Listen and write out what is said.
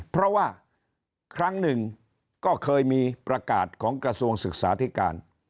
เพราะว่าครั้งหนึ่งก็เคยมีประกาศของกระทรวงศึกษาธิการ